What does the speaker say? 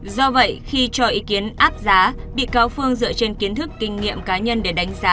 do vậy khi cho ý kiến áp giá bị cáo phương dựa trên kiến thức kinh nghiệm cá nhân để đánh giá